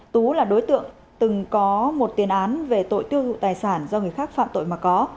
tú là đối tượng từng có một tiền án về tội tiêu thụ tài sản do người khác phạm tội mà có